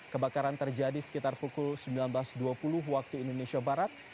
kebakaran terjadi sekitar pukul sembilan belas dua puluh waktu indonesia barat